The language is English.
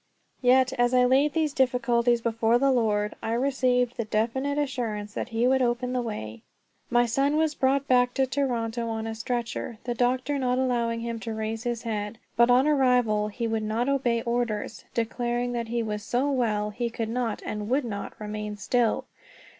Yet, as I laid these difficulties before the Lord, I received the definite assurance that he would open the way. My son was brought back to Toronto on a stretcher, the doctor not allowing him to raise his head; but on arrival he would not obey orders, declaring that he was so well he could not and would not remain still.